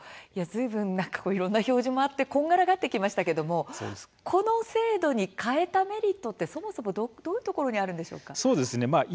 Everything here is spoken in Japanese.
いろんな表示があってこんがらがってきましたけれどこの制度に変えたメリットはどんなところにあるんでしょうか。